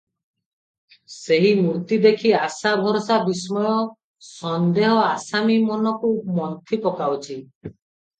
ସେହି ମୂର୍ତ୍ତି ଦେଖି ଆଶା ଭରସା ବିସ୍ମୟ, ସନ୍ଦେହ ଆସାମୀ ମନକୁ ମନ୍ଥି ପକାଉଛି ।